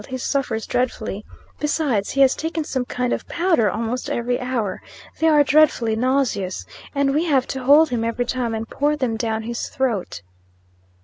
He suffers dreadfully. Besides, he has taken some kind of powder almost every hour. They are dreadfully nauseous; and we have to hold him, every time, and pour them down his throat.